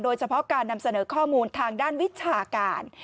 โดยเฉพาะการนำเสนอข้อมูลทางด้านวิชาการ